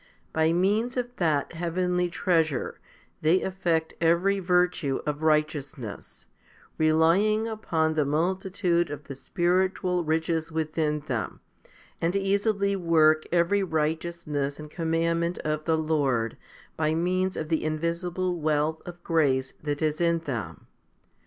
By means of that heavenly treasure they effect every virtue of righteousness, relying upon the multi tude of the spiritual riches within them, and easily work ev'ery righteousness and commandment of the Lord by means of the invisible wealth of grace that is in them.